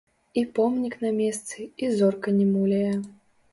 І помнік на месцы, і зорка не муляе.